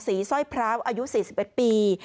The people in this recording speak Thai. สร้อยพร้าวอายุ๔๑ปี